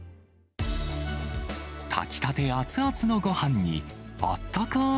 炊きたて熱々のごはんに、あったかーい